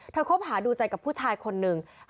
คบหาดูใจกับผู้ชายคนหนึ่ง